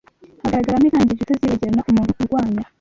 hagaragaramo intangiriro itazibagirana ku muntu urwanya